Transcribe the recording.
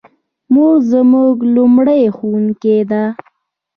مور زموږ لومړنۍ ښوونکې ده